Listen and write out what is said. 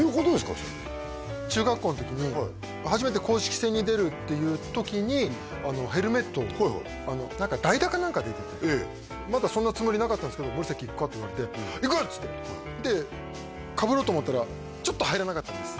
それ中学校の時に初めて公式戦に出るっていう時にヘルメットを代打か何かで出てまだそんなつもりなかったんですけど「森崎いくか？」って言われて「いく！」っつってでかぶろうと思ったらちょっと入らなかったんです